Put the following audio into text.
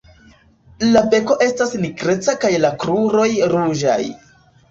La beko estas nigreca kaj la kruroj ruĝaj.